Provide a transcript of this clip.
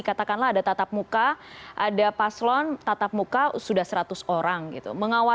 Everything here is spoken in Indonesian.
katakanlah ada tatap muka ada paslon tatap muka sudah seratus orang gitu